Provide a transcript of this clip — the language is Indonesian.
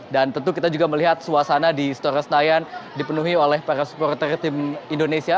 dan tentu kita juga melihat suasana di stora senayan dipenuhi oleh para supporter tim indonesia